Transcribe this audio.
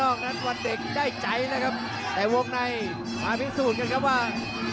นั้นวันเด็กได้ใจแล้วครับแต่วงในมาพิสูจน์กันครับว่า